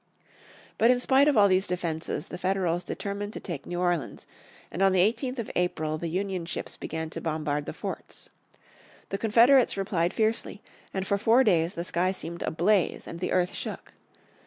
But in spite of all these defenses the Federals determined to take New Orleans and on the 18th of April the Union ships began to bombard the forts. The Confederates replied fiercely, and for four days the sky seemed ablaze and the earth shook.